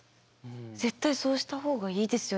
絶対そうした方がいいですよね。